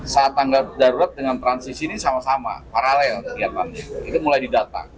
saat tangga beruat dengan transisi ini sama sama paralel itu mulai didatang